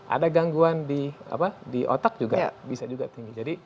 ada gangguan di otak juga bisa juga tinggi